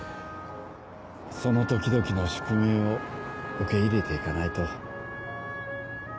その時々の宿命を受け入れていかないと。